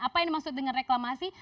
apa yang dimaksud dengan reklamasi